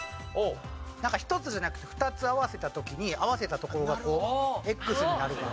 １つじゃなくて２つ合わせた時に合わせたところがこうＸになるかなと。